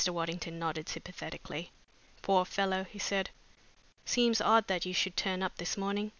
Waddington nodded sympathetically. "Poor fellow!" he said. "Seems odd that you should turn up this morning.